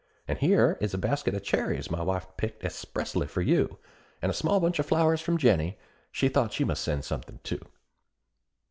And here is a basket of cherries my wife picked expressly for you; And a small bunch of flowers from Jennie she thought she must send somethin' too.